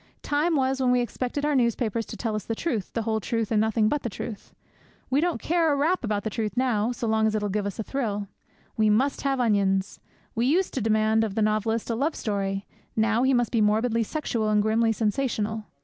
Time was when we expected our newspapers to tell us the truth, the whole truth, and nothing but the truth. We don't care a rap about the truth now, so long as they'll give us a thrill. We must have onions. We used to demand of the novelist a love story; now he must be morbidly sexual and grimly sensational.